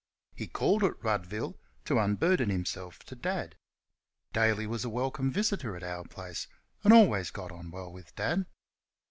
He called at Ruddville to unburden himself to Dad. Daly was a welcome visitor at our place, and always got on well with Dad.